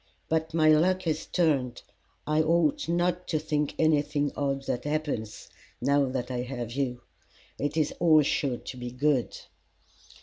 But my luck has turned. I ought not to think anything odd that happens now that I have you. It is all sure to be good."